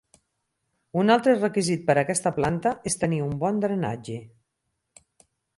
Un altre requisit per aquesta planta és tenir un bon drenatge.